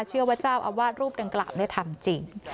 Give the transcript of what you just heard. เชื่อว่าเจ้าอาวาสรูปดังกล่าวทำจริง